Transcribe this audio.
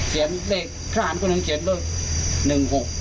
เขียนเลขทหารคนหนึ่งเขียนว่า๑๖